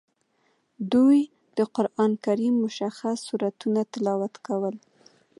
دوی د قران کریم مشخص سورتونه تلاوت کول.